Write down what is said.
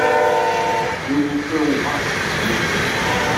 Nous vous ferons grâce, nous.